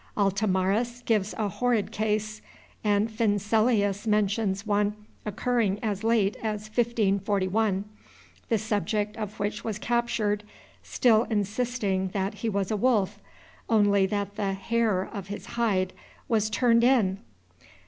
Altomaris gives a horrid case; and Fincelius mentions one occurring as late as 1541, the subject of which was captured, still insisting that he was a wolf, only that the hair of his hide was turned in!